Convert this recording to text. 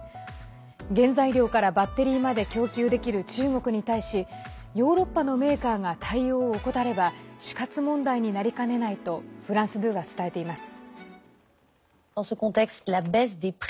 原材料からバッテリーまで供給できる中国に対しヨーロッパのメーカーが対応を怠れば死活問題になりかねないとフランス２は伝えています。